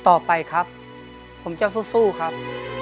ต่อไปครับผมจะสู้ครับ